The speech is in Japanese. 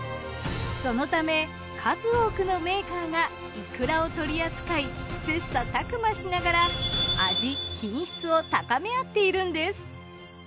そのため数多くのメーカーがいくらを取り扱い切磋琢磨しながら味品質を高め合っているんです。